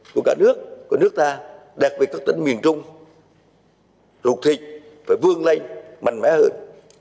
của cả nước của nước ta đặc biệt các tỉnh miền trung rụt thịt phải vương lây mạnh mẽ hơn